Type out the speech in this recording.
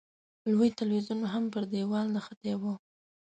لوی تلویزیون هم پر دېوال نښتی و.